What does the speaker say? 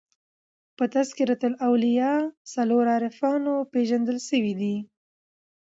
په "تذکرةالاولیاء" څلور عارفانو پېژندل سوي دي.